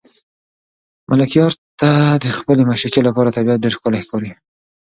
ملکیار ته د خپلې معشوقې لپاره طبیعت ډېر ښکلی ښکاري.